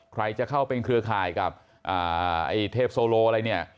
ใครจะเข้าเป็นเครือข่ายกับไอ้เทพโซโลอะไรเนี่ย